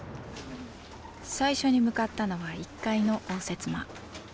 最初に向かったのは１階の応接間。